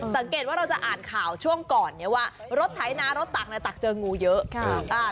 สังเกตว่าเราจะอ่านข่าวช่วงก่อนเนี่ยว่ารถไถนารถตักในตักเจองูเยอะ